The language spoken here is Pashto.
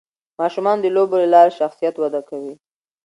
ماشومان د لوبو له لارې شخصیت وده کوي.